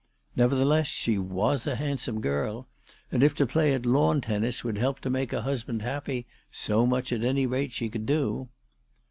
Nevertheless she was a handsome girl, and if to play at lawn tennis would help to make a husband happy, so much at any rate she could do.